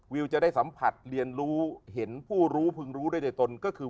วิวจะได้สัมผัสเรียนรู้เห็นผู้รู้พึงรู้ได้ในตนก็คือ